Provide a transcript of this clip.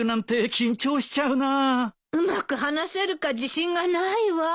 うまく話せるか自信がないわ。